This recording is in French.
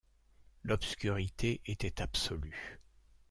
L’obscurité était absolue